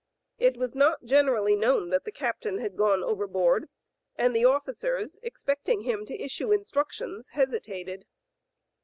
It was not generally known that the captain had gone over board, and the officers, expecting him to issue instructions, hesitated.